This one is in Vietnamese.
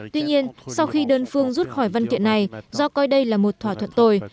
tuy nhiên sau khi đơn phương rút khỏi văn kiện này do coi đây là một thỏa thuận tồi